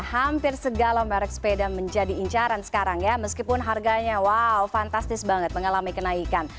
hampir segala merek sepeda menjadi incaran sekarang ya meskipun harganya wow fantastis banget mengalami kenaikan